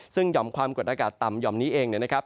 ซึ่งหย่อมความกดอากาศต่ำห่อมนี้เองเนี่ยนะครับ